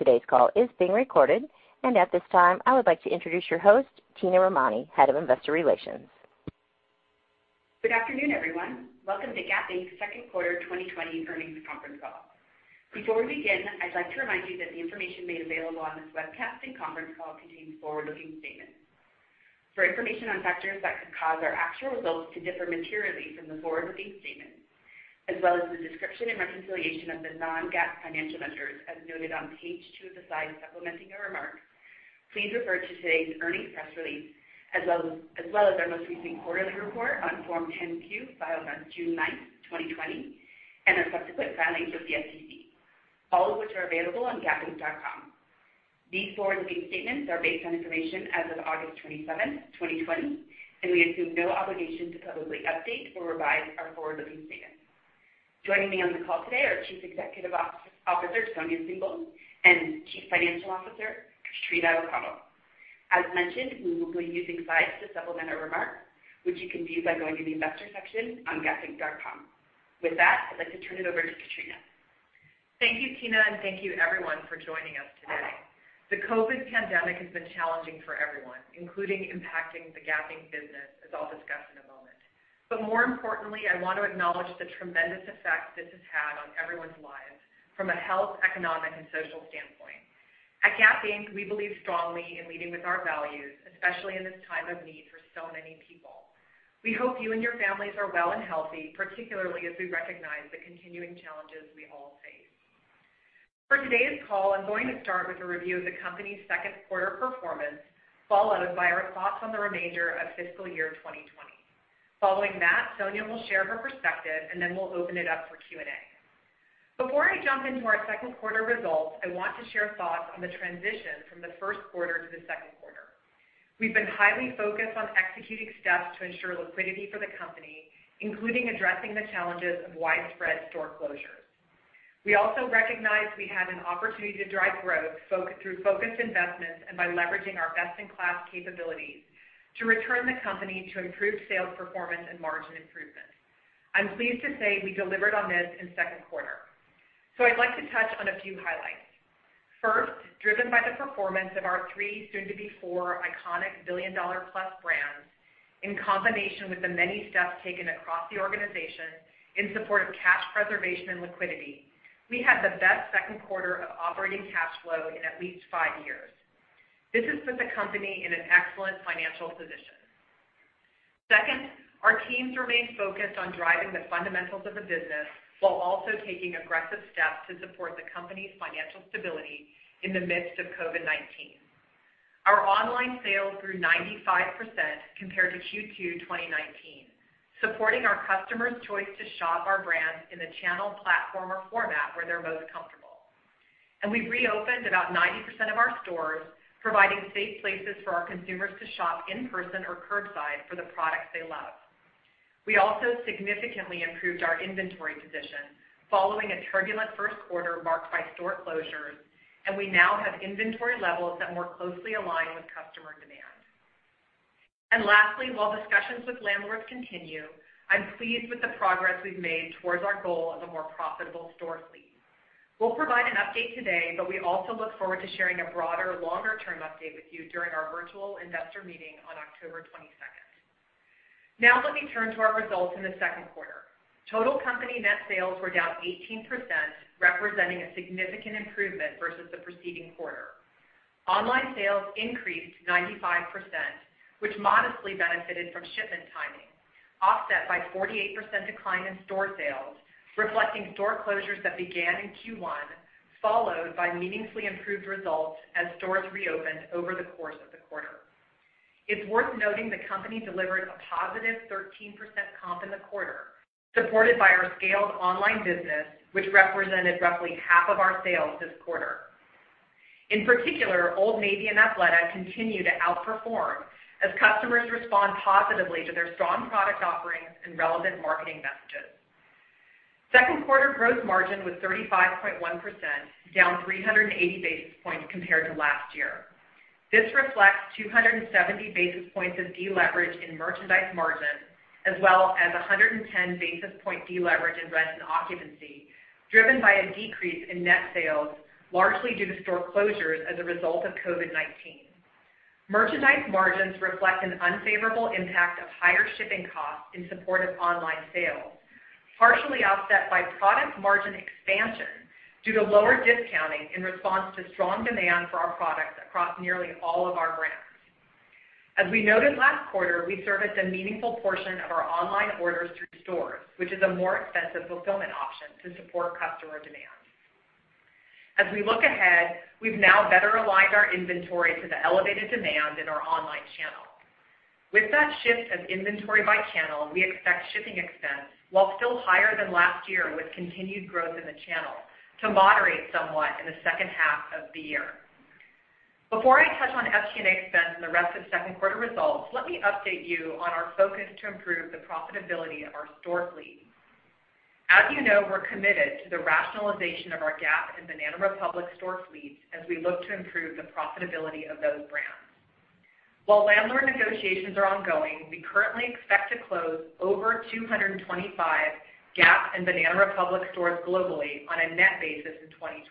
Today's call is being recorded, and at this time, I would like to introduce your host, Tina Romani, Head of Investor Relations. Good afternoon, everyone. Welcome to Gap Inc.'s second quarter 2020 earnings conference call. Before we begin, I'd like to remind you that the information made available on this webcast and conference call contains forward-looking statements. For information on factors that could cause our actual results to differ materially from the forward-looking statements, as well as the description and reconciliation of the non-GAAP financial measures as noted on page two of the slides supplementing our remarks, please refer to today's earnings press release, as well as our most recent quarterly report on Form 10-Q filed on June 9th, 2020, and our subsequent filings with the SEC, all of which are available on gapinc.com. These forward-looking statements are based on information as of August 27th, 2020, and we assume no obligation to publicly update or revise our forward-looking statements. Joining me on the call today are Chief Executive Officer, Sonia Syngal, and Chief Financial Officer, Katrina O'Connell. As mentioned, we will be using slides to supplement our remarks, which you can view by going to the investor section on gapinc.com. With that, I'd like to turn it over to Katrina. Thank you, Tina, thank you, everyone, for joining us today. The COVID-19 pandemic has been challenging for everyone, including impacting the Gap Inc. business, as I'll discuss in a moment. More importantly, I want to acknowledge the tremendous effect this has had on everyone's lives from a health, economic, and social standpoint. At Gap Inc., we believe strongly in leading with our values, especially in this time of need for so many people. We hope you and your families are well and healthy, particularly as we recognize the continuing challenges we all face. For today's call, I'm going to start with a review of the company's second quarter performance, followed by our thoughts on the remainder of fiscal year 2020. Following that, Sonia will share her perspective, then we'll open it up for Q&A. Before I jump into our second quarter results, I want to share thoughts on the transition from the first quarter to the second quarter. We've been highly focused on executing steps to ensure liquidity for the company, including addressing the challenges of widespread store closures. We also recognize we had an opportunity to drive growth through focused investments and by leveraging our best-in-class capabilities to return the company to improved sales performance and margin improvements. I'm pleased to say we delivered on this in the second quarter. I'd like to touch on a few highlights. First, driven by the performance of our three, soon to be four, iconic billion-dollar plus brands, in combination with the many steps taken across the organization in support of cash preservation and liquidity, we had the best second quarter of operating cash flow in at least five years. This has put the company in an excellent financial position. Second, our teams remain focused on driving the fundamentals of the business while also taking aggressive steps to support the company's financial stability in the midst of COVID-19. Our online sales grew 95% compared to Q2 2019, supporting our customers' choice to shop our brands in the channel, platform, or format where they're most comfortable. We've reopened about 90% of our stores, providing safe places for our consumers to shop in person or curbside for the products they love. We also significantly improved our inventory position following a turbulent first quarter marked by store closures, and we now have inventory levels that more closely align with customer demand. Lastly, while discussions with landlords continue, I'm pleased with the progress we've made towards our goal of a more profitable store fleet. We'll provide an update today, but we also look forward to sharing a broader, longer-term update with you during our virtual investor meeting on October 22nd. Now let me turn to our results in the second quarter. Total company net sales were down 18%, representing a significant improvement versus the preceding quarter. Online sales increased 95%, which modestly benefited from shipment timing, offset by 48% decline in store sales, reflecting store closures that began in Q1, followed by meaningfully improved results as stores reopened over the course of the quarter. It's worth noting the company delivered a positive 13% comp in the quarter, supported by our scaled online business, which represented roughly half of our sales this quarter. In particular, Old Navy and Athleta continue to outperform as customers respond positively to their strong product offerings and relevant marketing messages. Second quarter gross margin was 35.1%, down 380 basis points compared to last year. This reflects 270 basis points of deleverage in merchandise margin, as well as 110 basis point deleverage in rent and occupancy, driven by a decrease in net sales, largely due to store closures as a result of COVID-19. Merchandise margins reflect an unfavorable impact of higher shipping costs in support of online sales, partially offset by product margin expansion due to lower discounting in response to strong demand for our products across nearly all of our brands. As we noted last quarter, we serviced a meaningful portion of our online orders through stores, which is a more expensive fulfillment option to support customer demand. As we look ahead, we've now better aligned our inventory to the elevated demand in our online channel. With that shift of inventory by channel, we expect shipping expense, while still higher than last year with continued growth in the channel, to moderate somewhat in the second half of the year. Before I touch on SG&A expense and the rest of second quarter results, let me update you on our focus to improve the profitability of our store fleet. As you know, we're committed to the rationalization of our Gap and Banana Republic store fleets as we look to improve the profitability of those brands. While landlord negotiations are ongoing, we currently expect to close over 225 Gap and Banana Republic stores globally on a net basis in 2020,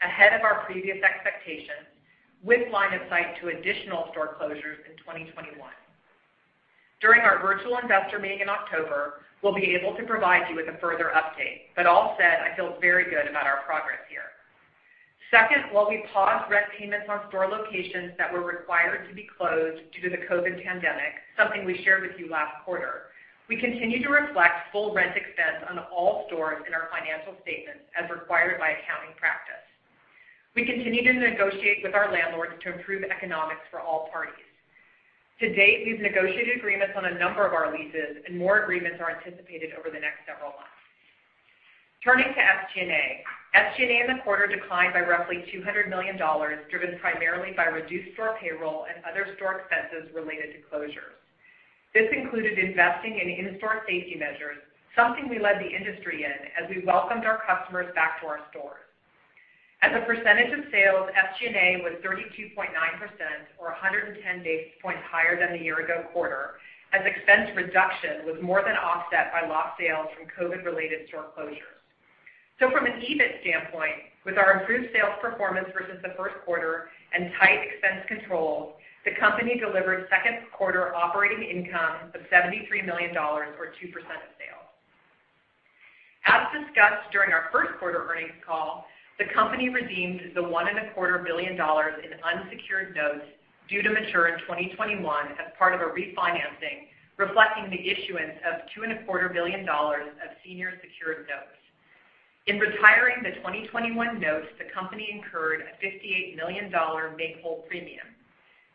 ahead of our previous expectations, with line of sight to additional store closures in 2021. During our virtual investor meeting in October, we'll be able to provide you with a further update. All said, I feel very good about our progress here. Second, while we paused rent payments on store locations that were required to be closed due to the COVID-19 pandemic, something we shared with you last quarter, we continue to reflect full rent expense on all stores in our financial statements as required by accounting practice. We continue to negotiate with our landlords to improve economics for all parties. To date, we've negotiated agreements on a number of our leases, and more agreements are anticipated over the next several months. Turning to SG&A. SG&A in the quarter declined by roughly $200 million, driven primarily by reduced store payroll and other store expenses related to closures. This included investing in in-store safety measures, something we led the industry in, as we welcomed our customers back to our stores. As a percentage of sales, SG&A was 32.9%, or 110 basis points higher than the year-ago quarter, as expense reduction was more than offset by lost sales from COVID-19-related store closures. From an EBIT standpoint, with our improved sales performance versus the first quarter and tight expense controls, the company delivered second quarter operating income of $73 million, or 2% of sales. As discussed during our first quarter earnings call, the company redeemed the $1.25 billion in unsecured notes due to mature in 2021 as part of a refinancing, reflecting the issuance of $2.25 billion of senior secured notes. In retiring the 2021 notes, the company incurred a $58 million make-whole premium.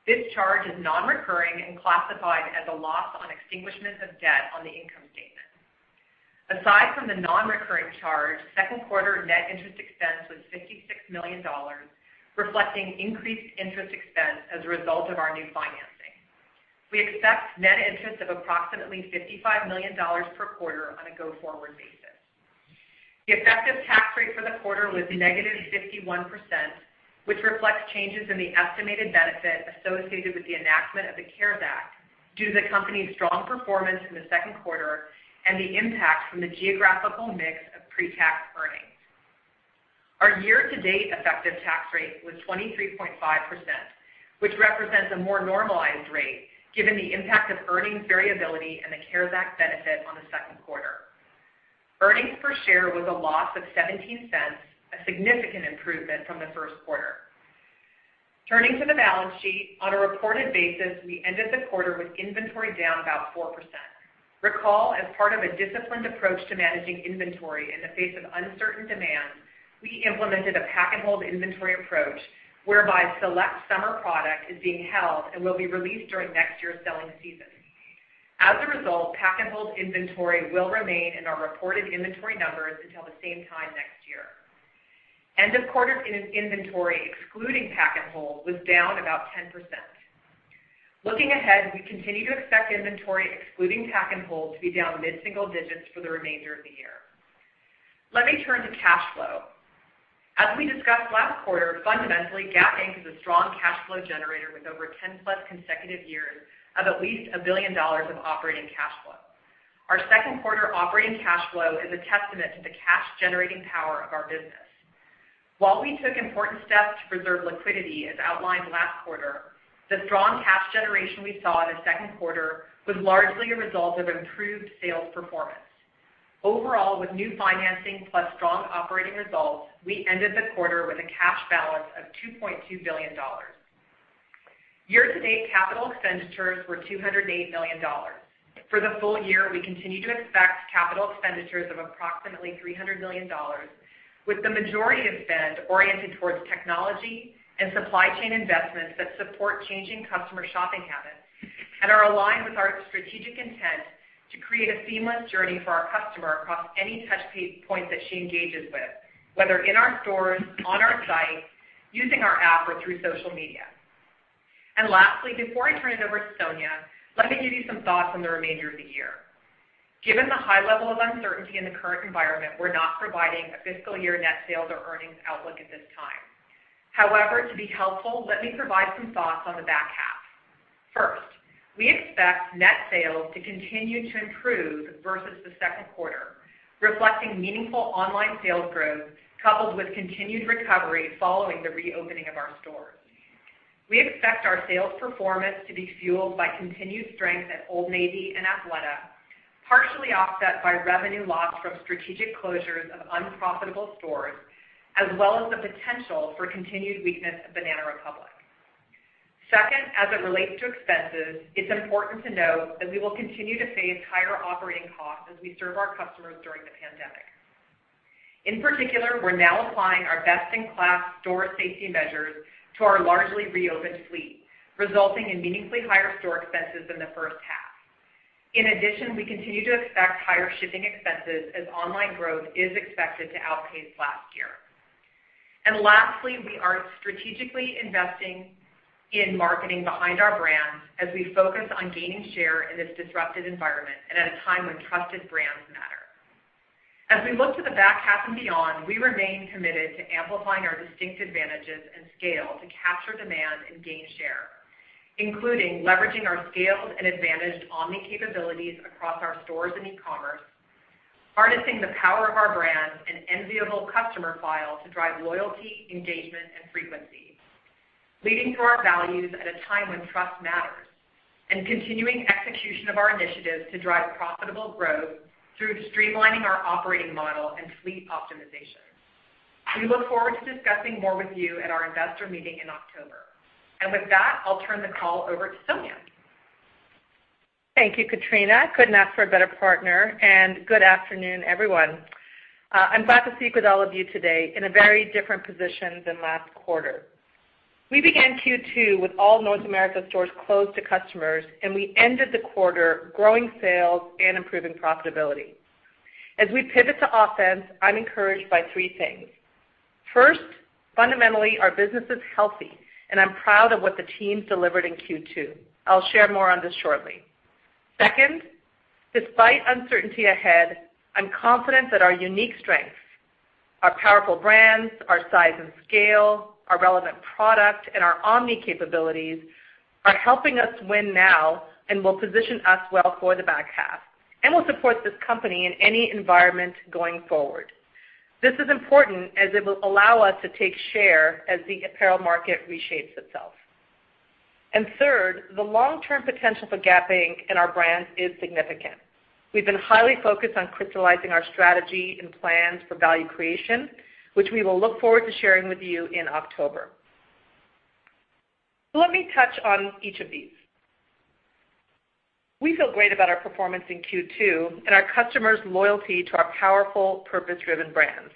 This charge is non-recurring and classified as a loss on extinguishment of debt on the income statement. Aside from the non-recurring charge, second quarter net interest expense was $56 million, reflecting increased interest expense as a result of our new financing. We expect net interest of approximately $55 million per quarter on a go-forward basis. The effective tax rate for the quarter was -51%, which reflects changes in the estimated benefit associated with the enactment of the CARES Act, due to the company's strong performance in the second quarter and the impact from the geographical mix of pre-tax earnings. Our year-to-date effective tax rate was 23.5%, which represents a more normalized rate given the impact of earnings variability and the CARES Act benefit on the second quarter. Earnings per share was a loss of $0.17, a significant improvement from the first quarter. Turning to the balance sheet, on a reported basis, we ended the quarter with inventory down about 4%. Recall, as part of a disciplined approach to managing inventory in the face of uncertain demand, we implemented a pack-and-hold inventory approach, whereby select summer product is being held and will be released during next year's selling season. As a result, pack-and-hold inventory will remain in our reported inventory numbers until the same time next year. End of quarter inventory, excluding pack-and-hold, was down about 10%. Looking ahead, we continue to expect inventory, excluding pack-and-hold, to be down mid-single digits for the remainder of the year. Let me turn to cash flow. As we discussed last quarter, fundamentally, Gap Inc. is a strong cash flow generator with over 10+ consecutive years of at least $1 billion of operating cash flow. Our second quarter operating cash flow is a testament to the cash-generating power of our business. While we took important steps to preserve liquidity, as outlined last quarter, the strong cash generation we saw in the second quarter was largely a result of improved sales performance. Overall, with new financing plus strong operating results, we ended the quarter with a cash balance of $2.2 billion. Year-to-date capital expenditures were $208 million. For the full year, we continue to expect capital expenditures of approximately $300 million, with the majority of spend oriented towards technology and supply chain investments that support changing customer shopping habits, and are aligned with our strategic intent to create a seamless journey for our customer across any touch point that she engages with, whether in our stores, on our site, using our app, or through social media. Lastly, before I turn it over to Sonia, let me give you some thoughts on the remainder of the year. Given the high level of uncertainty in the current environment, we're not providing a fiscal year net sales or earnings outlook at this time. However, to be helpful, let me provide some thoughts on the back half. First, we expect net sales to continue to improve versus the second quarter, reflecting meaningful online sales growth, coupled with continued recovery following the reopening of our stores. We expect our sales performance to be fueled by continued strength at Old Navy and Athleta, partially offset by revenue loss from strategic closures of unprofitable stores, as well as the potential for continued weakness at Banana Republic. Second, as it relates to expenses, it's important to note that we will continue to face higher operating costs as we serve our customers during the pandemic. In particular, we're now applying our best-in-class store safety measures to our largely reopened fleet, resulting in meaningfully higher store expenses in the first half. In addition, we continue to expect higher shipping expenses as online growth is expected to outpace last year. Lastly, we are strategically investing in marketing behind our brands as we focus on gaining share in this disrupted environment and at a time when trusted brands matter. As we look to the back half and beyond, we remain committed to amplifying our distinct advantages and scale to capture demand and gain share, including leveraging our scaled and advantaged omni-capabilities across our stores and e-commerce, harnessing the power of our brands and enviable customer file to drive loyalty, engagement, and frequency, leading through our values at a time when trust matters, and continuing execution of our initiatives to drive profitable growth through streamlining our operating model and fleet optimization. We look forward to discussing more with you at our investor meeting in October. With that, I'll turn the call over to Sonia. Thank you, Katrina. Couldn't ask for a better partner, and good afternoon, everyone. I'm glad to speak with all of you today in a very different position than last quarter. We began Q2 with all North America stores closed to customers, and we ended the quarter growing sales and improving profitability. As we pivot to offense, I'm encouraged by three things. First, fundamentally, our business is healthy, and I'm proud of what the team delivered in Q2. I'll share more on this shortly. Second, despite uncertainty ahead, I'm confident that our unique strengths, our powerful brands, our size and scale, our relevant product, and our omni capabilities are helping us win now and will position us well for the back half, and will support this company in any environment going forward. This is important as it will allow us to take share as the apparel market reshapes itself. Third, the long-term potential for Gap Inc. and our brands is significant. We've been highly focused on crystallizing our strategy and plans for value creation, which we will look forward to sharing with you in October. Let me touch on each of these. We feel great about our performance in Q2 and our customers' loyalty to our powerful, purpose-driven brands.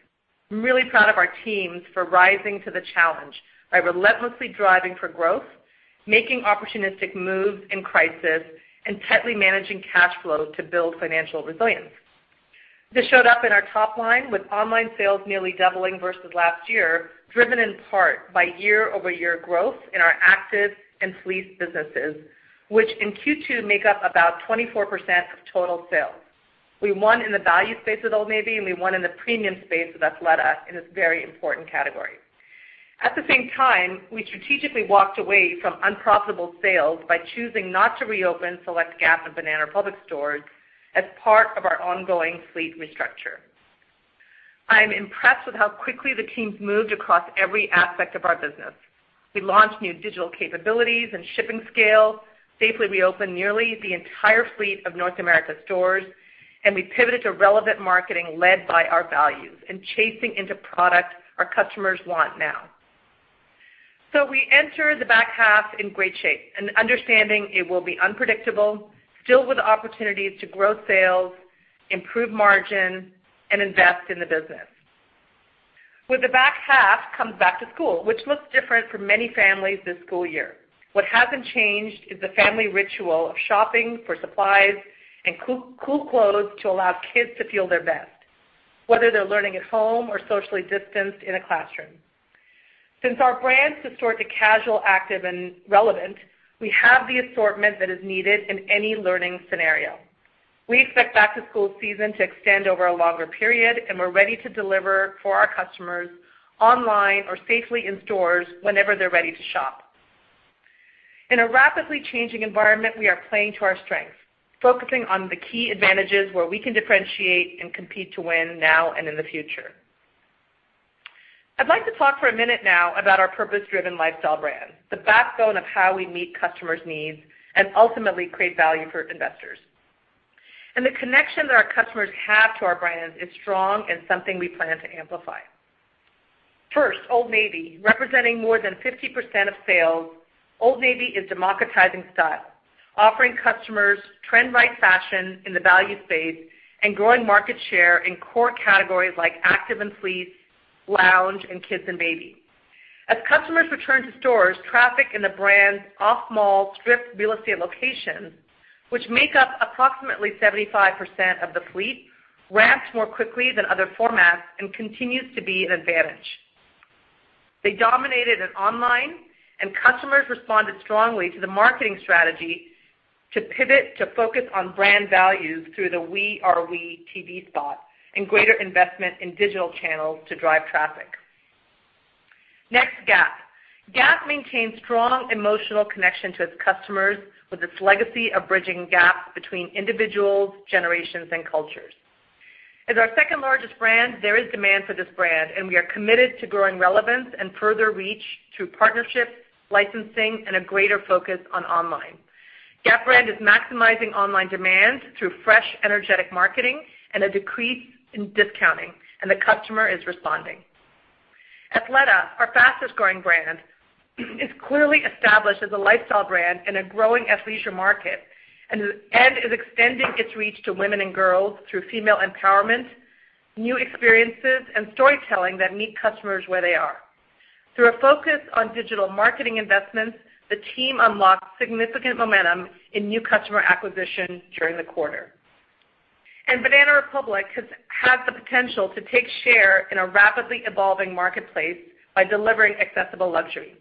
I'm really proud of our teams for rising to the challenge by relentlessly driving for growth, making opportunistic moves in crisis, and tightly managing cash flow to build financial resilience. This showed up in our top line with online sales nearly doubling versus last year, driven in part by year-over-year growth in our active and fleece businesses, which in Q2 make up about 24% of total sales. We won in the value space with Old Navy, and we won in the premium space with Athleta in this very important category. At the same time, we strategically walked away from unprofitable sales by choosing not to reopen select Gap and Banana Republic stores as part of our ongoing fleet restructure. I'm impressed with how quickly the teams moved across every aspect of our business. We launched new digital capabilities and shipping scale, safely reopened nearly the entire fleet of North America stores, and we pivoted to relevant marketing led by our values and chasing into product our customers want now. We enter the back half in great shape and understanding it will be unpredictable, filled with opportunities to grow sales, improve margin, and invest in the business. With the back half comes back to school, which looks different for many families this school year. What hasn't changed is the family ritual of shopping for supplies and cool clothes to allow kids to feel their best, whether they're learning at home or socially distanced in a classroom. Since our brands distort to casual, active, and relevant, we have the assortment that is needed in any learning scenario. We expect back-to-school season to extend over a longer period, and we're ready to deliver for our customers online or safely in stores whenever they're ready to shop. In a rapidly changing environment, we are playing to our strengths, focusing on the key advantages where we can differentiate and compete to win now and in the future. I'd like to talk for a minute now about our purpose-driven lifestyle brands, the backbone of how we meet customers' needs and ultimately create value for investors. The connection that our customers have to our brands is strong and something we plan to amplify. First, Old Navy. Representing more than 50% of sales, Old Navy is democratizing style, offering customers trend-right fashion in the value space and growing market share in core categories like active and fleece, lounge, and kids and baby. As customers return to stores, traffic in the brand's off-mall strip real estate locations, which make up approximately 75% of the fleet, ramps more quickly than other formats and continues to be an advantage. They dominated in online, and customers responded strongly to the marketing strategy to pivot to focus on brand values through the We Are We TV spot and greater investment in digital channels to drive traffic. Next, Gap. Gap maintains strong emotional connection to its customers with its legacy of bridging gaps between individuals, generations, and cultures. As our second-largest brand, there is demand for this brand, and we are committed to growing relevance and further reach through partnerships, licensing, and a greater focus on online. Gap brand is maximizing online demand through fresh, energetic marketing and a decrease in discounting, and the customer is responding. Athleta, our fastest-growing brand, is clearly established as a lifestyle brand in a growing athleisure market, and is extending its reach to women and girls through female empowerment, new experiences, and storytelling that meet customers where they are. Through a focus on digital marketing investments, the team unlocked significant momentum in new customer acquisition during the quarter. Banana Republic has the potential to take share in a rapidly evolving marketplace by delivering accessible luxury.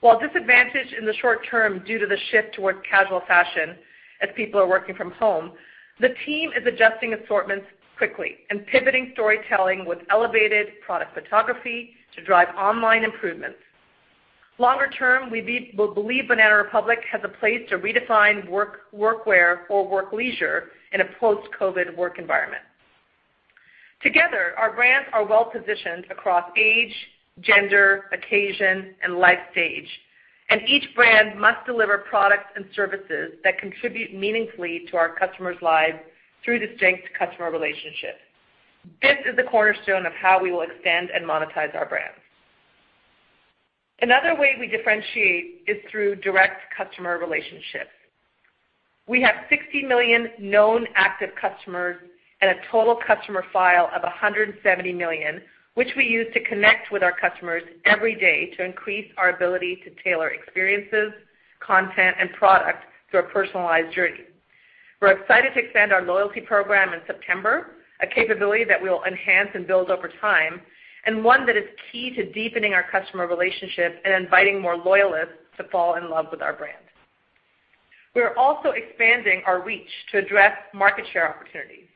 While disadvantaged in the short term due to the shift towards casual fashion as people are working from home, the team is adjusting assortments quickly and pivoting storytelling with elevated product photography to drive online improvements. Longer term, we believe Banana Republic has a place to redefine workwear or workleisure in a post-COVID work environment. Together, our brands are well positioned across age, gender, occasion, and life stage, and each brand must deliver products and services that contribute meaningfully to our customers' lives through distinct customer relationships. This is a cornerstone of how we will extend and monetize our brands. Another way we differentiate is through direct customer relationships. We have 60 million known active customers and a total customer file of 170 million, which we use to connect with our customers every day to increase our ability to tailor experiences, content, and product through a personalized journey. We're excited to extend our loyalty program in September, a capability that we'll enhance and build over time, and one that is key to deepening our customer relationships and inviting more loyalists to fall in love with our brand. We are also expanding our reach to address market share opportunities,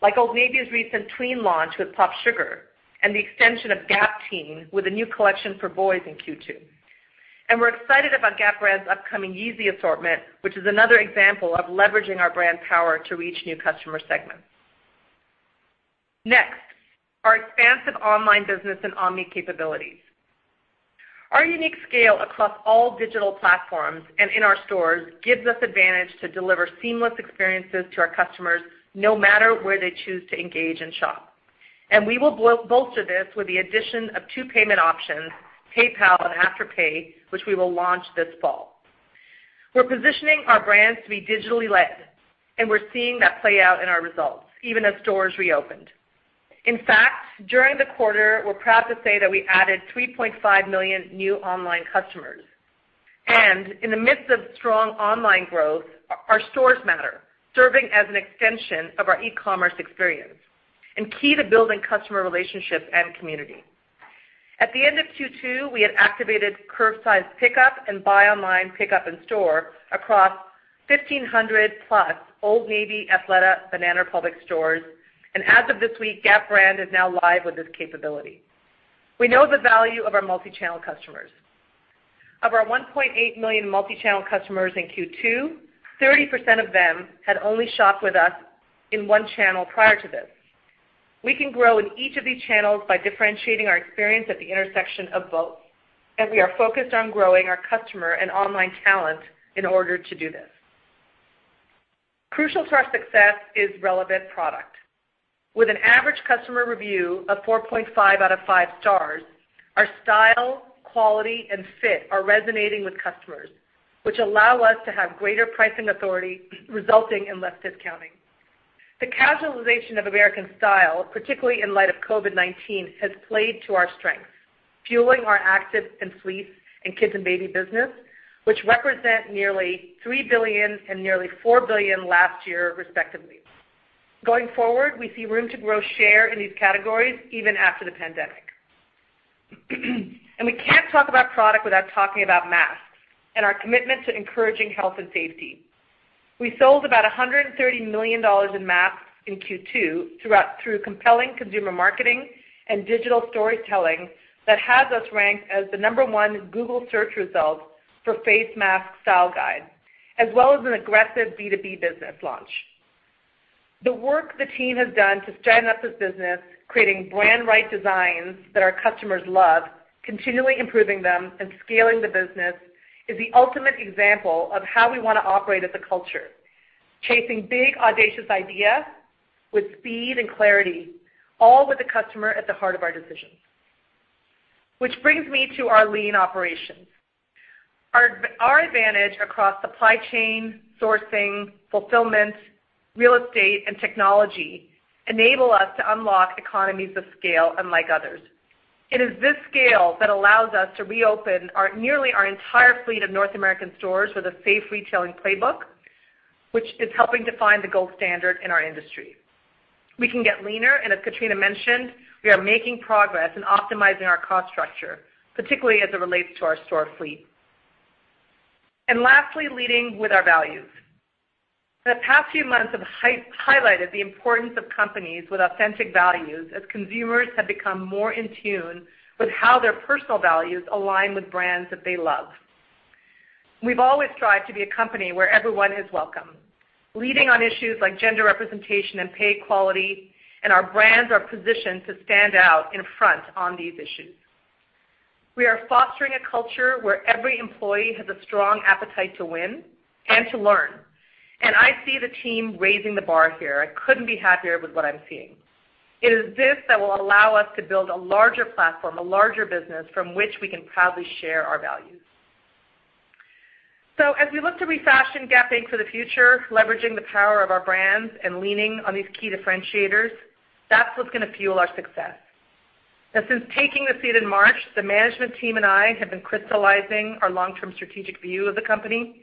like Old Navy's recent tween launch with PopSugar, and the extension of Gap Teen with a new collection for boys in Q2. We're excited about Gap brand's upcoming Yeezy assortment, which is another example of leveraging our brand power to reach new customer segments. Next, our expansive online business and omni capabilities. Our unique scale across all digital platforms and in our stores gives us advantage to deliver seamless experiences to our customers no matter where they choose to engage and shop. We will bolster this with the addition of two payment options, PayPal and Afterpay, which we will launch this fall. We're positioning our brands to be digitally led, and we're seeing that play out in our results even as stores reopened. In fact, during the quarter, we're proud to say that we added 3.5 million new online customers. In the midst of strong online growth, our stores matter, serving as an extension of our e-commerce experience and key to building customer relationships and community. At the end of Q2, we had activated curbside pickup and buy online pickup in store across 1,500+ Old Navy, Athleta, Banana Republic stores, and as of this week, Gap brand is now live with this capability. We know the value of our multi-channel customers. Of our 1.8 million multi-channel customers in Q2, 30% of them had only shopped with us in one channel prior to this. We can grow in each of these channels by differentiating our experience at the intersection of both, and we are focused on growing our customer and online talent in order to do this. Crucial to our success is relevant product. With an average customer review of 4.5 out of five stars, our style, quality, and fit are resonating with customers, which allow us to have greater pricing authority, resulting in less discounting. The casualization of American style, particularly in light of COVID-19, has played to our strengths, fueling our active and sleep and kids and baby business, which represent nearly $3 billion and nearly $4 billion last year respectively. Going forward, we see room to grow share in these categories even after the pandemic. We can't talk about product without talking about masks and our commitment to encouraging health and safety. We sold about $130 million in masks in Q2 through compelling consumer marketing and digital storytelling that has us ranked as the number one Google search result for face mask style guide, as well as an aggressive B2B business launch. The work the team has done to stand up this business, creating brand right designs that our customers love, continually improving them, and scaling the business is the ultimate example of how we want to operate as a culture. Chasing big, audacious ideas with speed and clarity, all with the customer at the heart of our decisions. Brings me to our lean operations. Our advantage across supply chain, sourcing, fulfillment, real estate, and technology enable us to unlock economies of scale unlike others. It is this scale that allows us to reopen nearly our entire fleet of North American stores with a safe retailing playbook, which is helping define the gold standard in our industry. We can get leaner, as Katrina mentioned, we are making progress in optimizing our cost structure, particularly as it relates to our store fleet. Lastly, leading with our values. The past few months have highlighted the importance of companies with authentic values as consumers have become more in tune with how their personal values align with brands that they love. We've always strived to be a company where everyone is welcome, leading on issues like gender representation and pay equality. Our brands are positioned to stand out in front on these issues. We are fostering a culture where every employee has a strong appetite to win and to learn. I see the team raising the bar here. I couldn't be happier with what I'm seeing. It is this that will allow us to build a larger platform, a larger business from which we can proudly share our values. As we look to refashion Gap Inc. for the future, leveraging the power of our brands and leaning on these key differentiators, that's what's going to fuel our success. Since taking the seat in March, the management team and I have been crystallizing our long-term strategic view of the company.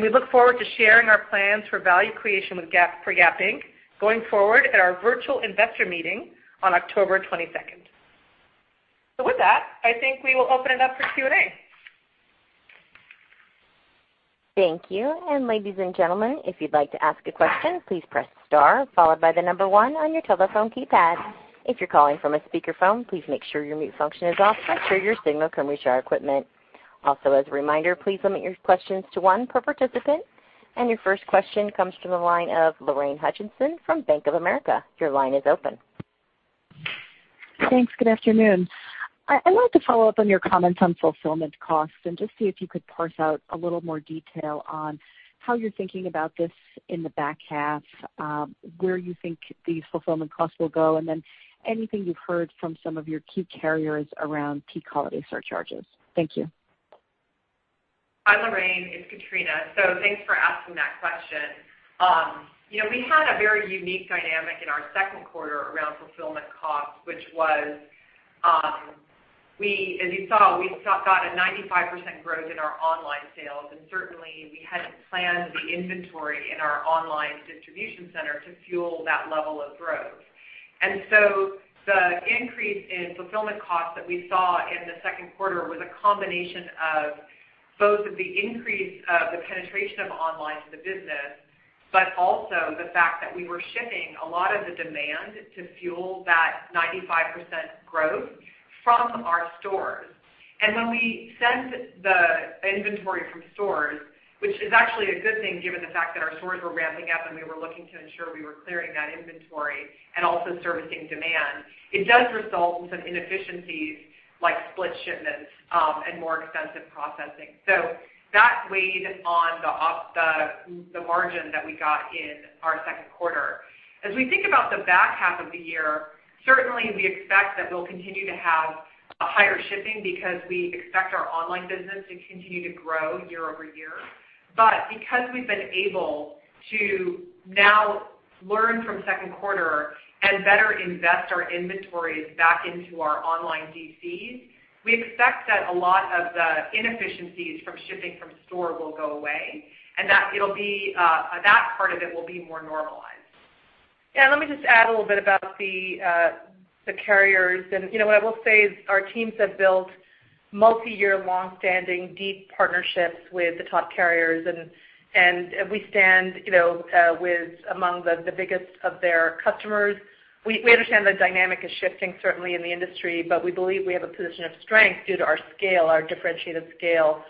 We look forward to sharing our plans for value creation for Gap Inc. going forward at our virtual vestor meeting on October 22nd. With that, I think we will open it up for Q&A. Thank you. Ladies and gentlemen, if you'd like to ask a question, please press star followed by the number one on your telephone keypad. If you're calling from a speakerphone, please make sure your mute function is off to make sure your signal can reach our equipment. Also, as a reminder, please limit your questions to one per participant. Your first question comes from the line of Lorraine Hutchinson from Bank of America. Your line is open. Thanks. Good afternoon. I'd like to follow up on your comments on fulfillment costs and just see if you could parse out a little more detail on how you're thinking about this in the back half, where you think the fulfillment costs will go, and then anything you've heard from some of your key carriers around peak holiday surcharges. Thank you. Hi, Lorraine. It's Katrina. Thanks for asking that question. We had a very unique dynamic in our second quarter around fulfillment costs, which was, as you saw, we got a 95% growth in our online sales, and certainly we hadn't planned the inventory in our online distribution center to fuel that level of growth. The increase in fulfillment costs that we saw in the second quarter was a combination of both the increase of the penetration of online to the business, but also the fact that we were shipping a lot of the demand to fuel that 95% growth from our stores. When we sent the inventory from stores, which is actually a good thing given the fact that our stores were ramping up and we were looking to ensure we were clearing that inventory and also servicing demand, it does result in some inefficiencies like split shipments, and more extensive processing. That weighed on the margin that we got in our second quarter. As we think about the back half of the year, certainly we expect that we'll continue to have higher shipping because we expect our online business to continue to grow year-over-year. Because we've been able to now learn from second quarter and better invest our inventories back into our online DCs, we expect that a lot of the inefficiencies from shipping from store will go away, and that part of it will be more normalized. Yeah, let me just add a little bit about the carriers. What I will say is our teams have built multi-year, long-standing, deep partnerships with the top carriers, and we stand with among the biggest of their customers. We understand the dynamic is shifting certainly in the industry, but we believe we have a position of strength due to our scale, our differentiated scale,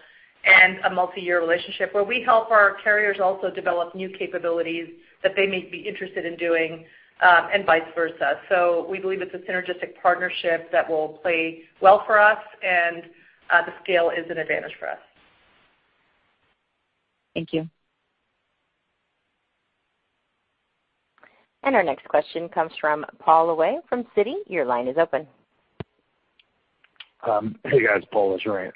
and a multi-year relationship where we help our carriers also develop new capabilities that they may be interested in doing, and vice versa. We believe it's a synergistic partnership that will play well for us and the scale is an advantage for us. Thank you. Our next question comes from Paul Lejuez from Citi. Your line is open. Hey, guys. Paul Lejuez.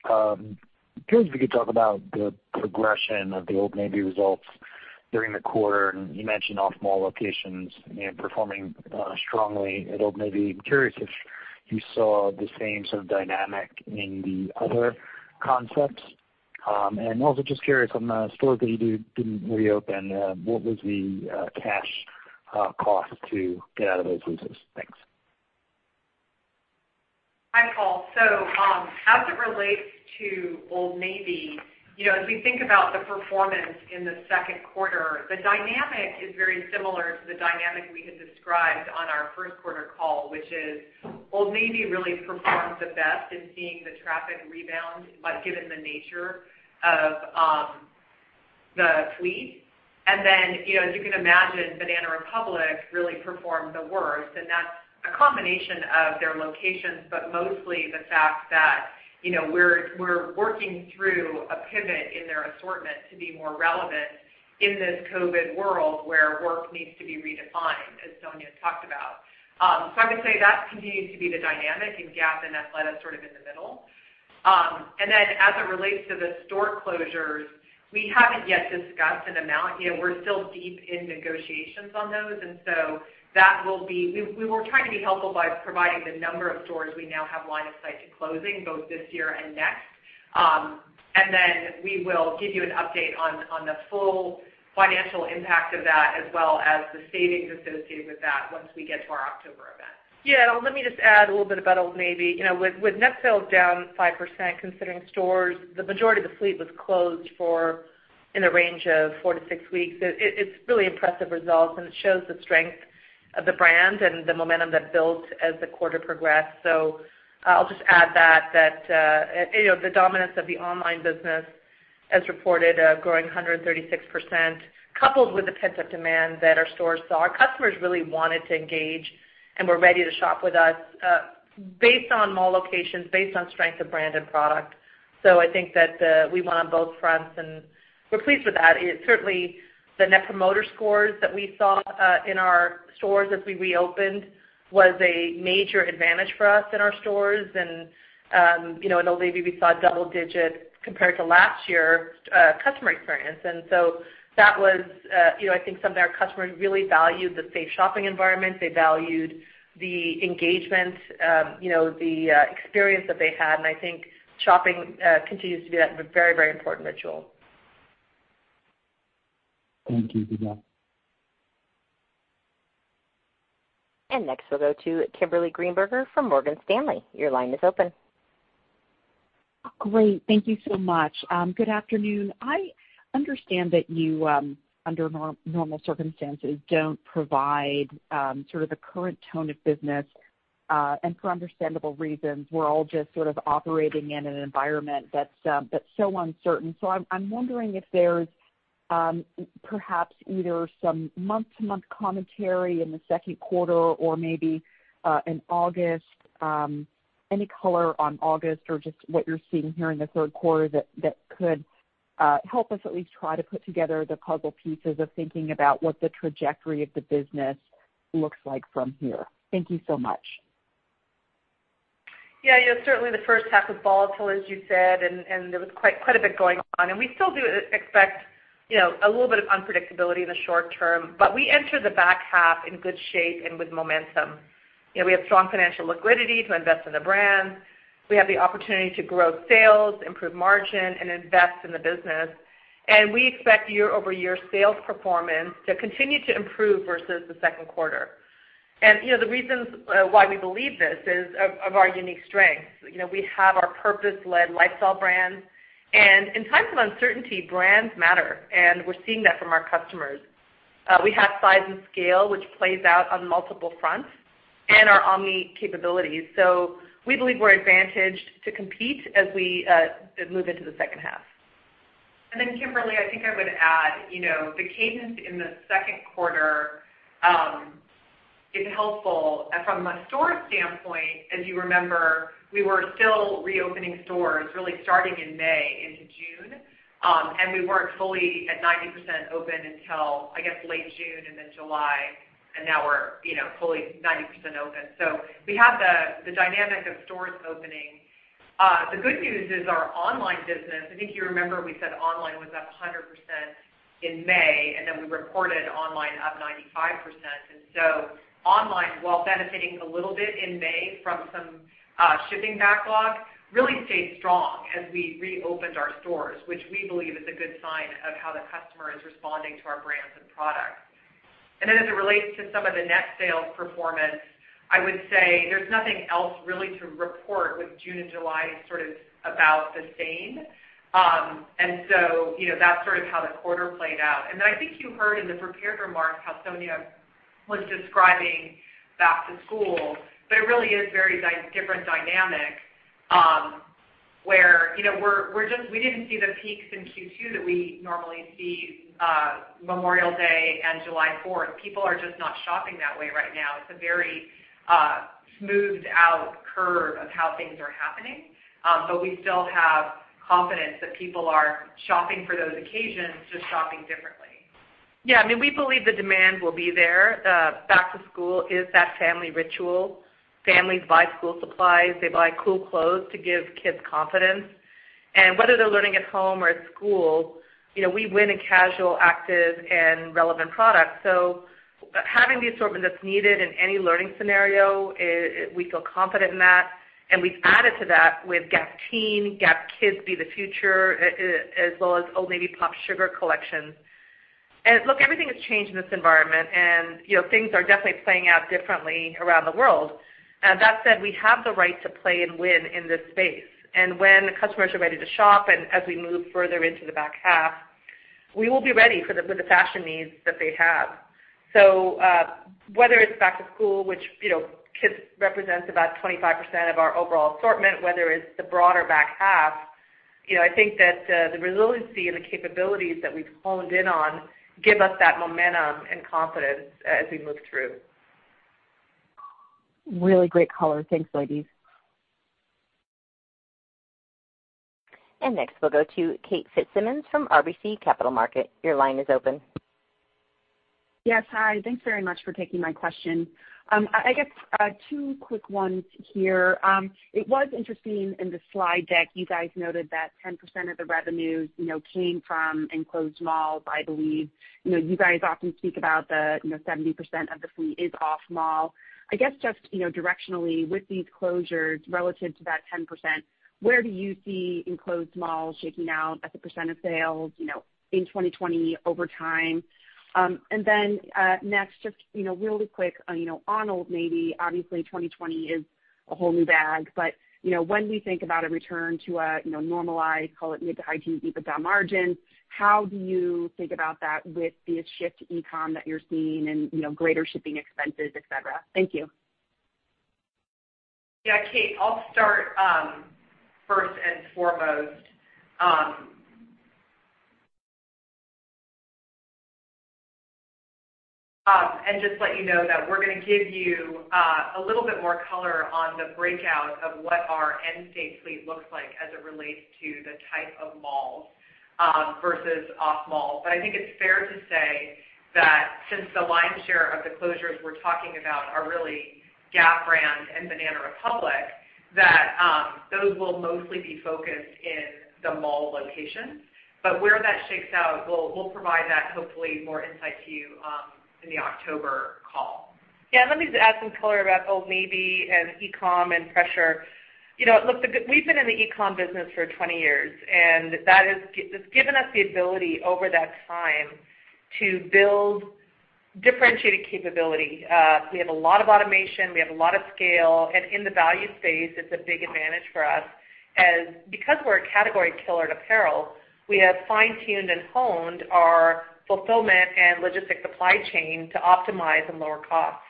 Curious if you could talk about the progression of the Old Navy results during the quarter, and you mentioned off mall locations and performing strongly at Old Navy. I'm curious if you saw the same sort of dynamic in the other concepts. Also just curious on the stores that you didn't reopen, what was the cash cost to get out of those leases? Thanks. Hi, Paul. As it relates to Old Navy, as we think about the performance in the second quarter, the dynamic is very similar to the dynamic we had described on our first quarter call, which is Old Navy really performs the best in seeing the traffic rebound, like given the nature of the fleet. As you can imagine, Banana Republic really performed the worst, and that's a combination of their locations, but mostly the fact that we're working through a pivot in their assortment to be more relevant in this COVID world where work needs to be redefined, as Sonia talked about. I would say that continues to be the dynamic, and Gap and Athleta sort of in the middle. As it relates to the store closures, we haven't yet discussed an amount. We're still deep in negotiations on those, and so we were trying to be helpful by providing the number of stores we now have line of sight to closing, both this year and next. We will give you an update on the full financial impact of that, as well as the savings associated with that once we get to our October event. Yeah, let me just add a little bit about Old Navy. With net sales down 5%, considering stores, the majority of the fleet was closed for a range of four to six weeks. It's really impressive results. It shows the strength of the brand and the momentum that built as the quarter progressed. I'll just add that the dominance of the online business as reported, growing 136%, coupled with the pent-up demand that our stores saw. Our customers really wanted to engage and were ready to shop with us, based on mall locations, based on strength of brand and product. I think that we won on both fronts, and we're pleased with that. Certainly, the net promoter scores that we saw in our stores as we reopened was a major advantage for us in our stores. In Old Navy, we saw double digit compared to last year customer experience. That was I think some of our customers really valued the safe shopping environment. They valued the engagement, the experience that they had. I think shopping continues to be a very important ritual. Thank you. Good luck. Next we'll go to Kimberly Greenberger from Morgan Stanley. Your line is open. Great. Thank you so much. Good afternoon. I understand that you, under normal circumstances, don't provide the current tone of business, and for understandable reasons, we're all just sort of operating in an environment that's so uncertain. I'm wondering if there's perhaps either some month-to-month commentary in the second quarter or maybe in August, any color on August or just what you're seeing here in the third quarter that could help us at least try to put together the puzzle pieces of thinking about what the trajectory of the business looks like from here. Thank you so much. Yeah. Certainly the first half was volatile, as you said, and there was quite a bit going on. We still do expect a little bit of unpredictability in the short term, but we enter the back half in good shape and with momentum. We have strong financial liquidity to invest in the brand. We have the opportunity to grow sales, improve margin, and invest in the business. We expect year-over-year sales performance to continue to improve versus the second quarter. The reasons why we believe this is of our unique strengths. We have our purpose-led lifestyle brands. In times of uncertainty, brands matter, and we're seeing that from our customers. We have size and scale, which plays out on multiple fronts, and our omni capabilities. We believe we're advantaged to compete as we move into the second half. Kimberly, I think I would add, the cadence in the second quarter is helpful. From a store standpoint, as you remember, we were still reopening stores really starting in May into June. We weren't fully at 90% open until, I guess, late June and then July, and now we're fully 90% open. We have the dynamic of stores opening. The good news is our online business, I think you remember we said online was up 100% in May, and then we reported online up 95%. Online, while benefiting a little bit in May from some shipping backlog, really stayed strong as we reopened our stores, which we believe is a good sign of how the customer is responding to our brands and products. As it relates to some of the net sales performance, I would say there's nothing else really to report with June and July sort of about the same. That's sort of how the quarter played out. I think you heard in the prepared remarks how Sonia was describing back to school. There really is very different dynamic, where we didn't see the peaks in Q2 that we normally see Memorial Day and July 4th. People are just not shopping that way right now. It's a very smoothed out curve of how things are happening. We still have confidence that people are shopping for those occasions, just shopping differently. Yeah, we believe the demand will be there. Back to school is that family ritual. Families buy school supplies. They buy cool clothes to give kids confidence. Whether they're learning at home or at school, we win in casual, active, and relevant products. Having the assortment that's needed in any learning scenario, we feel confident in that. We've added to that with Gap Teen, GapKids Be The Future, as well as Old Navy PopSugar collection. Look, everything has changed in this environment, and things are definitely playing out differently around the world. That said, we have the right to play and win in this space. When customers are ready to shop, and as we move further into the back half, we will be ready for the fashion needs that they have. Whether it's back to school, which kids represent about 25% of our overall assortment, whether it's the broader back half, I think that the resiliency and the capabilities that we've honed in on give us that momentum and confidence as we move through. Really great color. Thanks, ladies. Next, we'll go to Kate Fitzsimons from RBC Capital Markets. Your line is open. Yes. Hi. Thanks very much for taking my question. I guess two quick ones here. It was interesting in the slide deck, you guys noted that 10% of the revenues came from enclosed malls, I believe. You guys often speak about the 70% of the fleet is off-mall. I guess just directionally with these closures relative to that 10%, where do you see enclosed malls shaking out as a percent of sales in 2020 over time? Next, just really quick on Old Navy, obviously 2020 is a whole new bag. When we think about a return to a normalized, call it mid to high teen EBITDA margin, how do you think about that with the shift to e-com that you're seeing and greater shipping expenses, et cetera? Thank you. Yeah, Kate, I'll start first and foremost. Just let you know that we're going to give you a little bit more color on the breakout of what our end state fleet looks like as it relates to the type of malls versus off-mall. I think it's fair to say that since the lion's share of the closures we're talking about are really Gap brands and Banana Republic, that those will mostly be focused in the mall locations. Where that shakes out, we'll provide that hopefully more insight to you in the October call. Yeah, let me just add some color about Old Navy and e-com and pressure. We've been in the e-com business for 20 years, that has given us the ability over that time to build differentiated capability. We have a lot of automation. We have a lot of scale. In the value space, it's a big advantage for us, as because we're a category killer at apparel, we have fine-tuned and honed our fulfillment and logistics supply chain to optimize and lower costs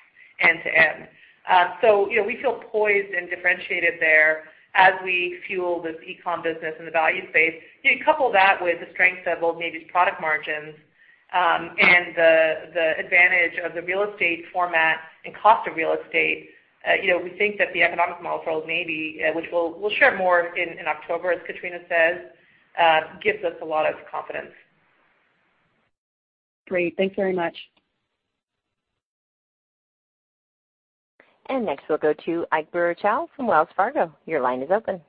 end-to-end. We feel poised and differentiated there as we fuel this e-com business in the value space. You couple that with the strength of Old Navy's product margins, and the advantage of the real estate format and cost of real estate, we think that the economic model for Old Navy, which we'll share more in October, as Katrina says, gives us a lot of confidence. Great. Thanks very much. Next, we'll go to Ike Boruchow from Wells Fargo. Your line is open.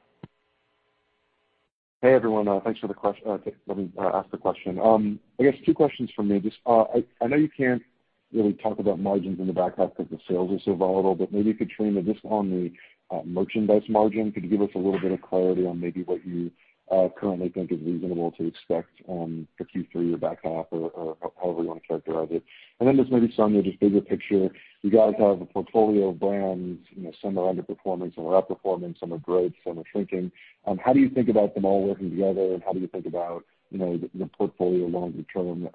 Hey, everyone. Thanks for letting me ask the question. I guess two questions from me. Just, I know you can't really talk about margins in the back half because the sales are so volatile, but maybe Katrina, just on the merchandise margin, could you give us a little bit of clarity on maybe what you currently think is reasonable to expect on the Q3 or back half, or however you want to characterize it? Just maybe Sonia, just bigger picture, you guys have a portfolio of brands, some are underperforming, some are outperforming, some are great, some are shrinking. How do you think about them all working together, and how do you think about the portfolio longer term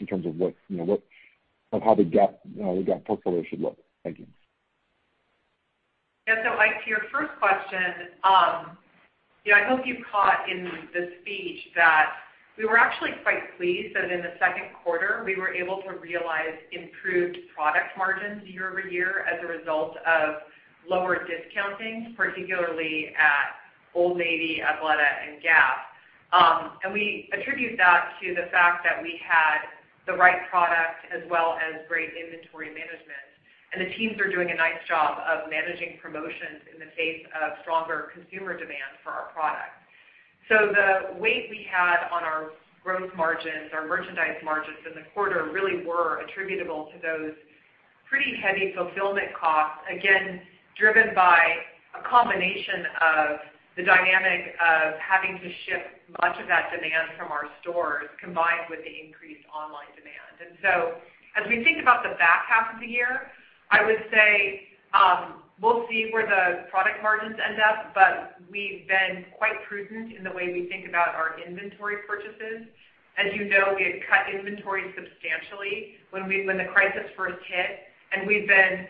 in terms of how the Gap portfolio should look? Thank you. Yeah. Ike, to your first question, I hope you caught in the speech that we were actually quite pleased that in the second quarter, we were able to realize improved product margins year-over-year as a result of lower discounting, particularly at Old Navy, Athleta, and Gap. We attribute that to the fact that we had the right product as well as great inventory management. The teams are doing a nice job of managing promotions in the face of stronger consumer demand for our product. The weight we had on our gross margins, our merchandise margins in the quarter really were attributable to those pretty heavy fulfillment costs, again, driven by a combination of the dynamic of having to ship much of that demand from our stores, combined with the increased online demand. As we think about the back half of the year, I would say, we'll see where the product margins end up, but we've been quite prudent in the way we think about our inventory purchases. As you know, we had cut inventory substantially when the crisis first hit, and we've been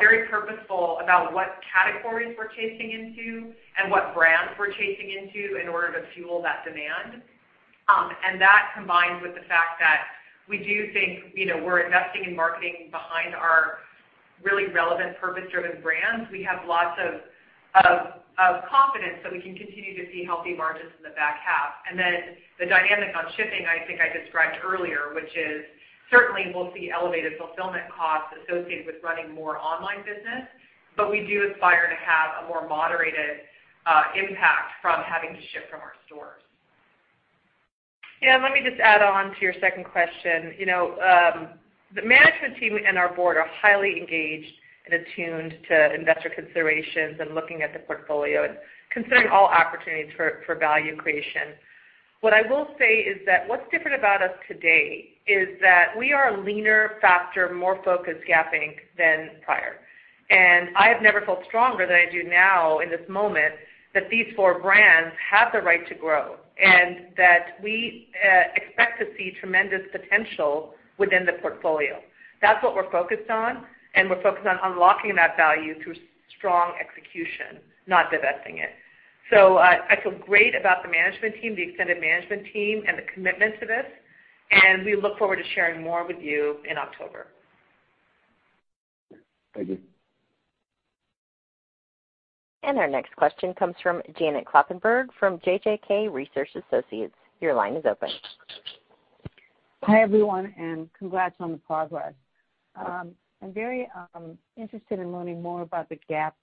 very purposeful about what categories we're chasing into and what brands we're chasing into in order to fuel that demand. That, combined with the fact that we do think we're investing in marketing behind our really relevant purpose-driven brands, we have lots of confidence that we can continue to see healthy margins in the back half. Then the dynamic on shipping, I think I described earlier, which is certainly we'll see elevated fulfillment costs associated with running more online business, but we do aspire to have a more moderated impact from having to ship from our stores. Yeah, let me just add on to your second question. The management team and our board are highly engaged and attuned to investor considerations and looking at the portfolio and considering all opportunities for value creation. What I will say is that what's different about us today is that we are a leaner, faster, more focused Gap Inc. than prior. I have never felt stronger than I do now in this moment that these four brands have the right to grow, and that we expect to see tremendous potential within the portfolio. That's what we're focused on, and we're focused on unlocking that value through strong execution, not divesting it. I feel great about the management team, the extended management team, and the commitment to this, and we look forward to sharing more with you in October. Thank you. Our next question comes from Janet Kloppenburg from JJK Research Associates. Your line is open. Hi, everyone, and congrats on the progress. I'm very interested in learning more about the Gap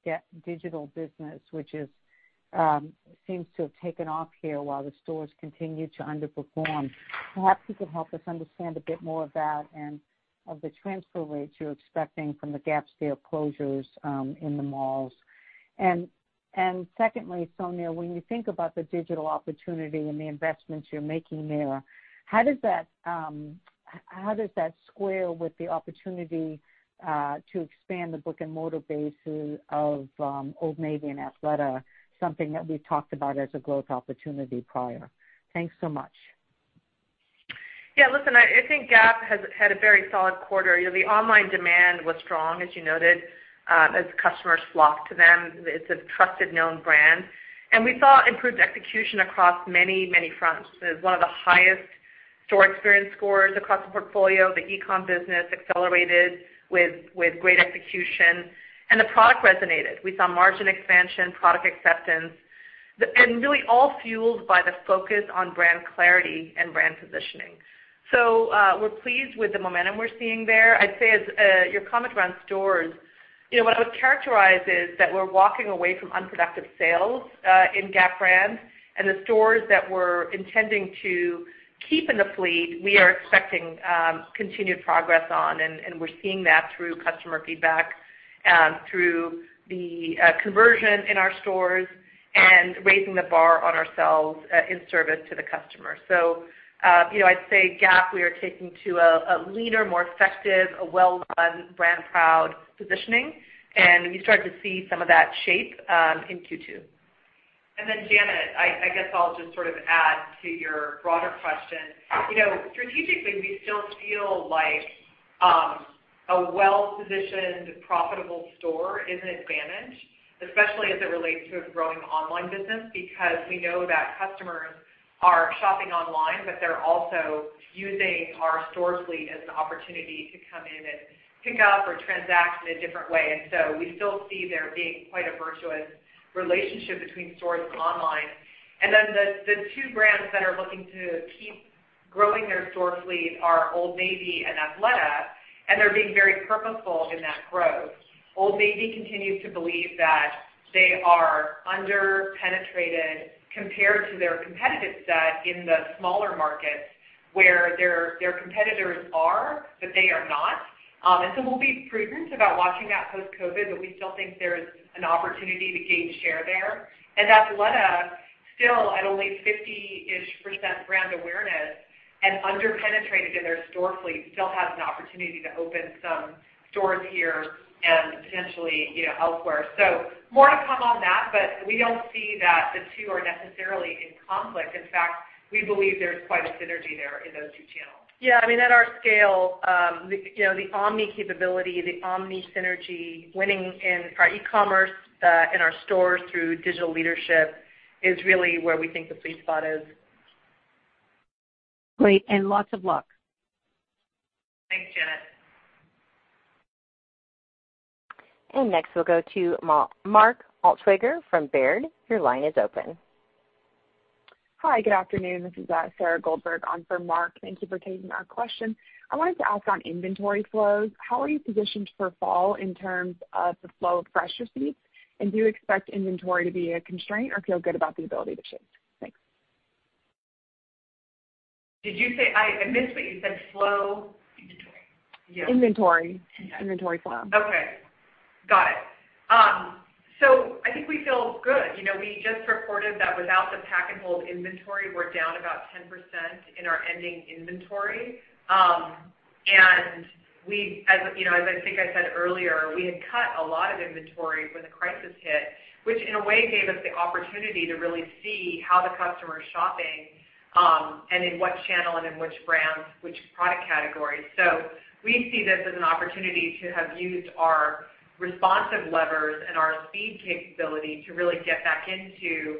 digital business, which seems to have taken off here while the stores continue to underperform. Perhaps you could help us understand a bit more of that and of the transfer rates you're expecting from the Gap store closures in the malls. Secondly, Sonia, when you think about the digital opportunity and the investments you're making there, how does that square with the opportunity to expand the brick-and-mortar base of Old Navy and Athleta, something that we've talked about as a growth opportunity prior? Thanks so much. Yeah, listen, I think Gap has had a very solid quarter. The online demand was strong, as you noted, as customers flock to them. It's a trusted, known brand. We saw improved execution across many, many fronts. It was one of the highest store experience scores across the portfolio. The e-com business accelerated with great execution, and the product resonated. We saw margin expansion, product acceptance, and really all fueled by the focus on brand clarity and brand positioning. We're pleased with the momentum we're seeing there. I'd say as your comment around stores, what I would characterize is that we're walking away from unproductive sales in Gap brands, and the stores that we're intending to keep in the fleet, we are expecting continued progress on, and we're seeing that through customer feedback, through the conversion in our stores, and raising the bar on ourselves in service to the customer. I'd say Gap, we are taking to a leaner, more effective, a well-run brand proud positioning, and you start to see some of that shape in Q2. Janet, I guess I'll just sort of add to your broader question. Strategically, we still feel like a well-positioned, profitable store is an advantage, especially as it relates to a growing online business, because we know that customers are shopping online, but they're also using our store fleet as an opportunity to come in and pick up or transact in a different way. We still see there being quite a virtuous relationship between stores and online. The two brands that are looking to keep growing their store fleet are Old Navy and Athleta, and they're being very purposeful in that growth. Old Navy continues to believe that they are under-penetrated compared to their competitive set in the smaller markets where their competitors are, but they are not. We'll be prudent about watching that post-COVID, but we still think there's an opportunity to gain share there. Athleta still at only 50-ish% brand awareness and under-penetrated in their store fleet, still has an opportunity to open some stores here and potentially elsewhere. More to come on that, but we don't see that the two are necessarily in conflict. In fact, we believe there's quite a synergy there in those two channels. Yeah, I mean, at our scale, the omni capability, the omni synergy, winning in our e-commerce, in our stores through digital leadership is really where we think the sweet spot is. Great, lots of luck. Thanks, Janet. Next we'll go to Mark Altschwager from Baird. Your line is open. Hi, good afternoon. This is Sarah Goldberg on for Mark. Thank you for taking our question. I wanted to ask on inventory flows, how are you positioned for fall in terms of the flow of fresh receipts? Do you expect inventory to be a constraint or feel good about the ability to shift? Thanks. Did you say I missed what you said? Inventory. Yeah. Inventory. Okay. Inventory flow. Okay. Got it. I think we feel good. We just reported that without the pack-and-hold inventory, we're down about 10% in our ending inventory. As I think I said earlier, we had cut a lot of inventory when the crisis hit, which in a way gave us the opportunity to really see how the customer is shopping, and in what channel and in which brands, which product categories. We see this as an opportunity to have used our responsive levers and our speed capability to really get back into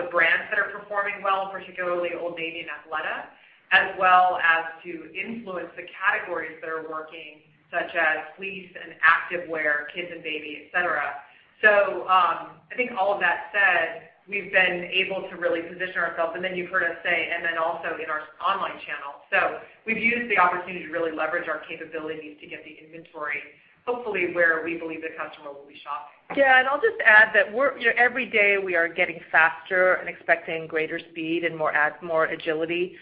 the brands that are performing well, particularly Old Navy and Athleta, as well as to influence the categories that are working, such as fleece and activewear, kids and babies, et cetera. I think all of that said, we've been able to really position ourselves, and then you've heard us say, and then also in our online channel. We've used the opportunity to really leverage our capabilities to get the inventory, hopefully where we believe the customer will be shopping. Yeah, and I'll just add that every day, we are getting faster and expecting greater speed and more agility.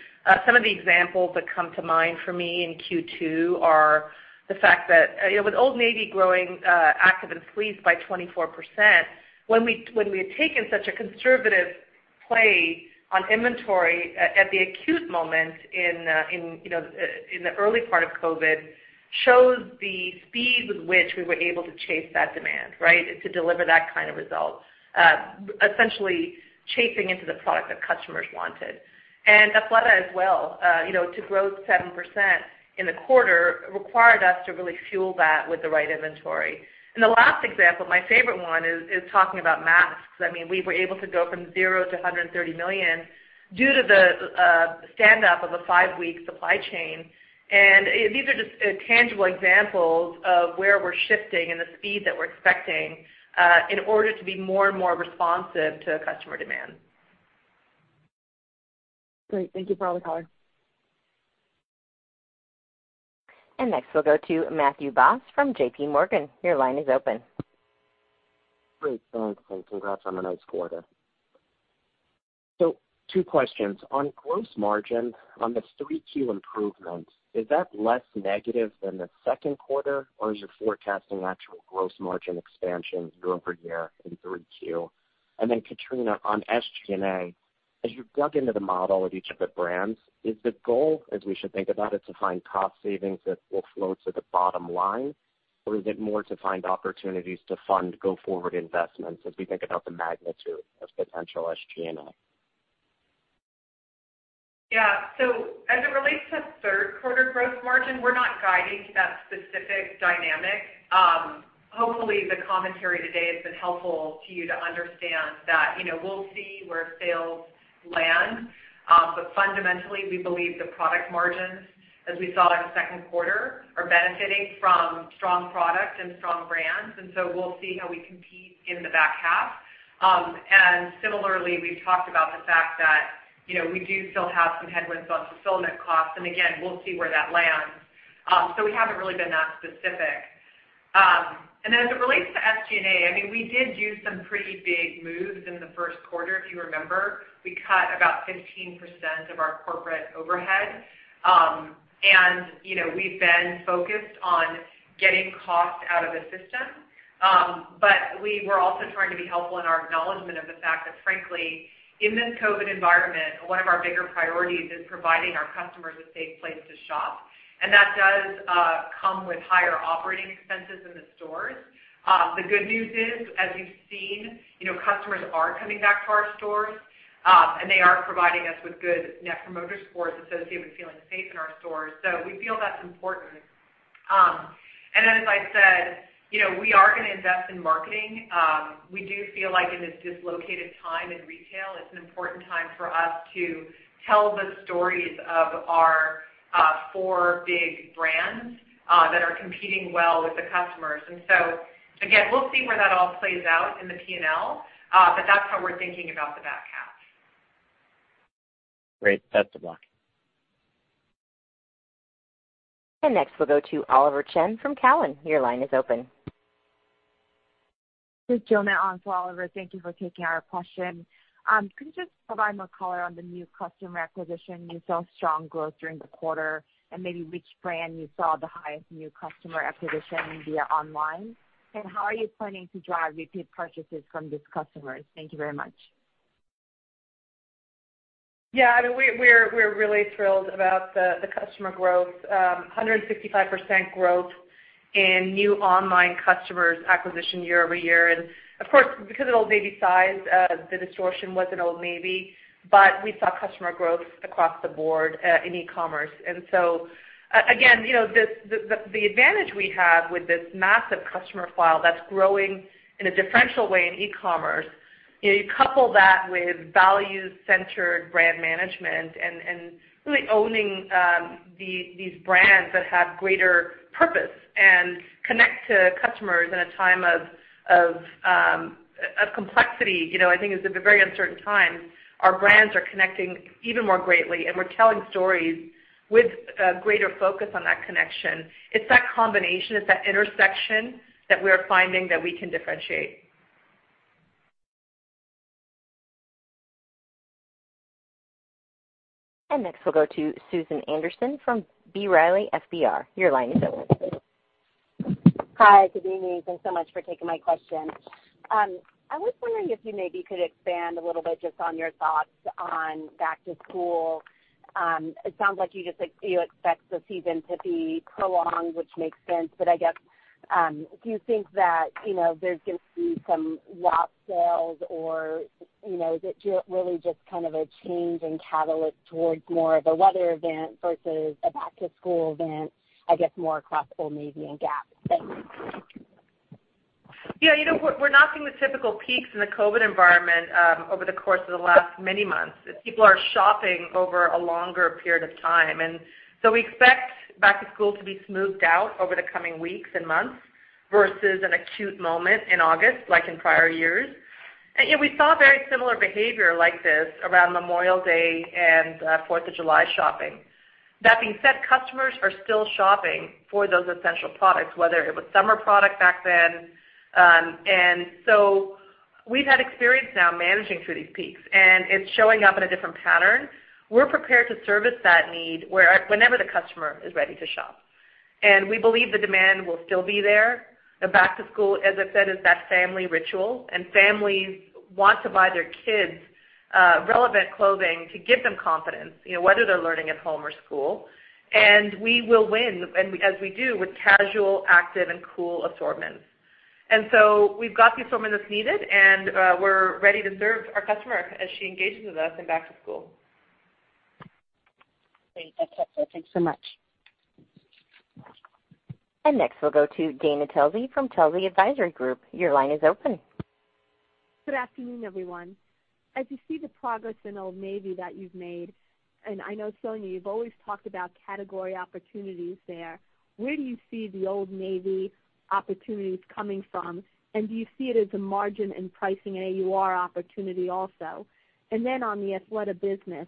Some of the examples that come to mind for me in Q2 are the fact that with Old Navy growing active and fleece by 24%, when we had taken such a conservative play on inventory at the acute moment in the early part of COVID shows the speed with which we were able to chase that demand, right? To deliver that kind of result, essentially chasing into the product that customers wanted. Athleta as well, to grow 7% in the quarter required us to really fuel that with the right inventory. The last example, my favorite one is talking about masks. I mean, we were able to go from zero to 130 million due to the stand up of a five-week supply chain. These are just tangible examples of where we're shifting and the speed that we're expecting in order to be more and more responsive to customer demand. Great. Thank you for all the color. Next, we'll go to Matthew Boss from JPMorgan. Your line is open. Great. Thanks, and congrats on a nice quarter. Two questions. On gross margin, on the 3Q improvement, is that less negative than the second quarter, or is your forecasting actual gross margin expansion year-over-year in 3Q? Katrina, on SG&A, as you've dug into the model of each of the brands, is the goal, as we should think about it, to find cost savings that will flow to the bottom line, or is it more to find opportunities to fund go forward investments as we think about the magnitude of potential SG&A? Yeah. As it relates to third quarter gross margin, we're not guiding to that specific dynamic. Hopefully, the commentary today has been helpful to you to understand that we'll see where sales land. Fundamentally, we believe the product margins, as we saw in our second quarter, are benefiting from strong products and strong brands, we'll see how we compete in the back half. Similarly, we've talked about the fact that we do still have some headwinds on fulfillment costs, again, we'll see where that lands. We haven't really been that specific. As it relates to SG&A, we did do some pretty big moves in the first quarter, if you remember. We cut about 15% of our corporate overhead. We've been focused on getting costs out of the system. We were also trying to be helpful in our acknowledgment of the fact that frankly, in this COVID environment, one of our bigger priorities is providing our customers a safe place to shop, and that does come with higher operating expenses in the stores. The good news is, as we've seen, customers are coming back to our stores, and they are providing us with good Net Promoter Scores associated with feeling safe in our stores. We feel that's important. Then, as I said, we are going to invest in marketing. We do feel like in this dislocated time in retail, it's an important time for us to tell the stories of our four big brands that are competing well with the customers. Again, we'll see where that all plays out in the P&L, but that's how we're thinking about the back half. Great. That's a block. Next, we'll go to Oliver Chen from Cowen. Your line is open. This is Jonna on for Oliver. Thank you for taking our question. Could you just provide more color on the new customer acquisition you saw strong growth during the quarter, and maybe which brand you saw the highest new customer acquisition via online? How are you planning to drive repeat purchases from these customers? Thank you very much. Yeah. We're really thrilled about the customer growth. 155% growth in new online customers acquisition year-over-year. Of course, because of Old Navy size, the distortion was in Old Navy, but we saw customer growth across the board in e-commerce. Again, the advantage we have with this massive customer file that's growing in a differential way in e-commerce, you couple that with values-centered brand management and really owning these brands that have greater purpose and connect to customers in a time of complexity. I think it's a very uncertain time. Our brands are connecting even more greatly, and we're telling stories with a greater focus on that connection. It's that combination, it's that intersection that we are finding that we can differentiate. Next, we'll go to Susan Anderson from B. Riley FBR. Your line is open. Hi, good evening. Thanks so much for taking my question. I was wondering if you maybe could expand a little bit just on your thoughts on back to school. It sounds like you expect the season to be prolonged, which makes sense, but I guess, do you think that there's going to be some lost sales or is it really just a change in catalyst towards more of a weather event versus a back to school event, I guess more across Old Navy and Gap? Thanks. We're not seeing the typical peaks in the COVID-19 environment over the course of the last many months, as people are shopping over a longer period of time. We expect back to school to be smoothed out over the coming weeks and months versus an acute moment in August, like in prior years. We saw very similar behavior like this around Memorial Day and Fourth of July shopping. That being said, customers are still shopping for those essential products, whether it was summer product back then. We've had experience now managing through these peaks, and it's showing up in a different pattern. We're prepared to service that need whenever the customer is ready to shop. We believe the demand will still be there. The back to school, as I said, is that family ritual, and families want to buy their kids relevant clothing to give them confidence, whether they're learning at home or school. We will win, as we do, with casual, active, and cool assortments. We've got the assortment that's needed, and we're ready to serve our customer as she engages with us in back to school. Great. That's helpful. Thanks so much. Next, we'll go to Dana Telsey from Telsey Advisory Group. Your line is open. Good afternoon, everyone. As you see the progress in Old Navy that you've made, and I know, Sonia, you've always talked about category opportunities there, where do you see the Old Navy opportunities coming from? Do you see it as a margin in pricing and AUR opportunity also? On the Athleta business,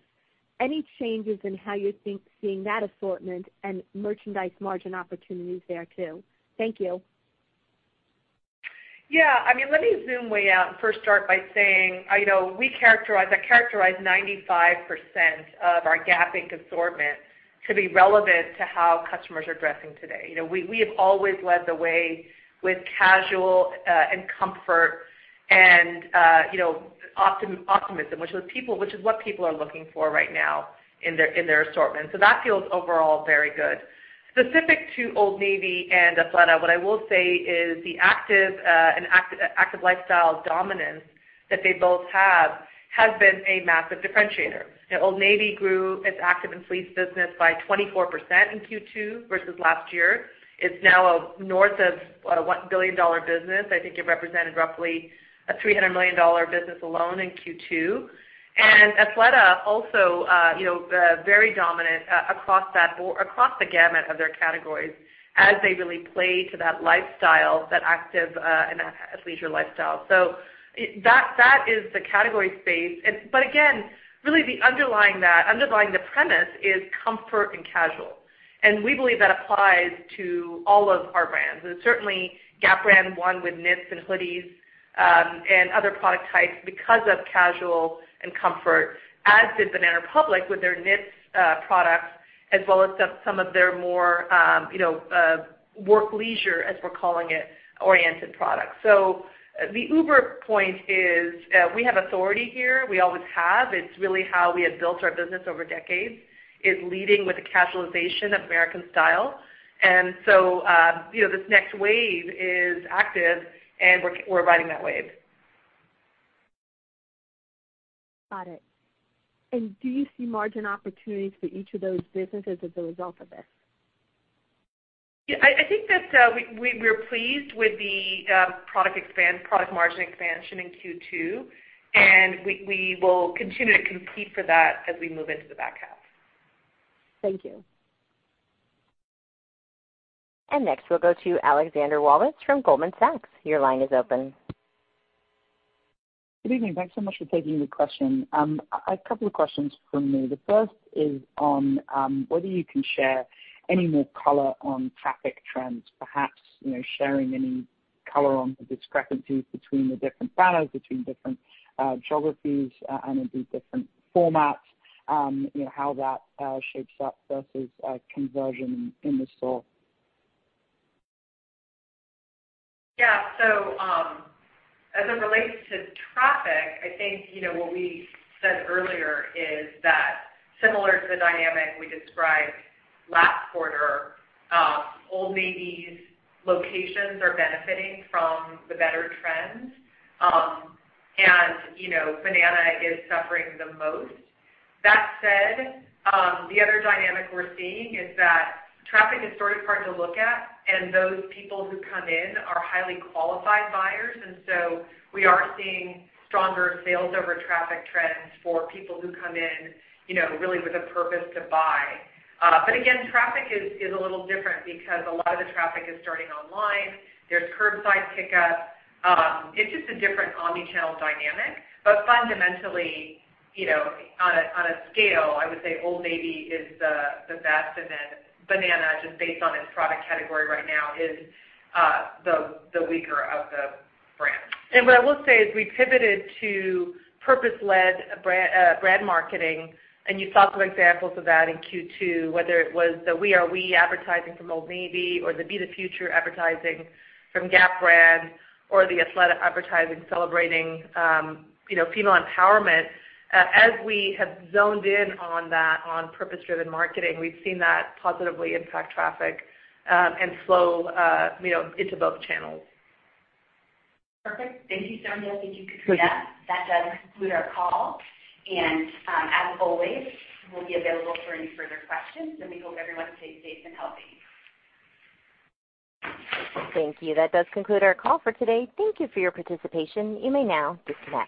any changes in how you're seeing that assortment and merchandise margin opportunities there too? Thank you. Yeah. Let me zoom way out and first start by saying, I characterize 95% of our Gap Inc. assortment to be relevant to how customers are dressing today. We have always led the way with casual and comfort and optimism, which is what people are looking for right now in their assortment. That feels overall very good. Specific to Old Navy and Athleta, what I will say is the active and active lifestyle dominance that they both have, has been a massive differentiator. Old Navy grew its active and fleece business by 24% in Q2 versus last year. It's now a north of $1 billion business. I think it represented roughly a $300 million business alone in Q2. Athleta also, very dominant across the gamut of their categories as they really play to that lifestyle, that active and athleisure lifestyle. That is the category space. Again, really underlying the premise is comfort and casual. We believe that applies to all of our brands. Certainly Gap brand won with knits and hoodies, and other product types because of casual and comfort, as did Banana Republic with their knits products, as well as some of their more workleisure, as we're calling it, oriented products. The uber point is we have authority here. We always have. It's really how we have built our business over decades, is leading with the casualization of American style. This next wave is active, and we're riding that wave. Got it. Do you see margin opportunities for each of those businesses as a result of this? I think that we're pleased with the product margin expansion in Q2, and we will continue to compete for that as we move into the back half. Thank you. Next, we'll go to Alexandra Walvis from Goldman Sachs. Your line is open. Good evening. Thanks so much for taking the question. A couple of questions from me. The first is on whether you can share any more color on traffic trends, perhaps sharing any color on the discrepancies between the different banners, between different geographies and indeed different formats. How that shapes up versus conversion in the store. As it relates to traffic, I think what we said earlier is that similar to the dynamic we described last quarter, Old Navy's locations are benefiting from the better trends. Banana is suffering the most. The other dynamic we're seeing is that traffic is starting hard to look at, and those people who come in are highly qualified buyers, we are seeing stronger sales over traffic trends for people who come in really with a purpose to buy. Again, traffic is a little different because a lot of the traffic is starting online. There's curbside pickup. It's just a different omni-channel dynamic. Fundamentally, on a scale, I would say Old Navy is the best, and then Banana, just based on its product category right now, is the weaker of the brands. What I will say is we pivoted to purpose-led brand marketing, and you saw some examples of that in Q2, whether it was the We Are We advertising from Old Navy or the Be The Future advertising from Gap or the Athleta advertising celebrating female empowerment. As we have zoned in on that, on purpose-driven marketing, we've seen that positively impact traffic and flow into both channels. Perfect. Thank you, Sonia. Thank you, Katrina. That does conclude our call. As always, we'll be available for any further questions, and we hope everyone stays safe and healthy. Thank you. That does conclude our call for today. Thank you for your participation. You may now disconnect.